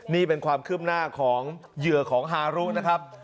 นี่เป็นความคืบหน้าของเหยื่อของฮารุนะครับ